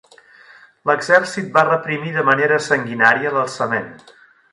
L'exèrcit va reprimir de manera sanguinària l'alçament.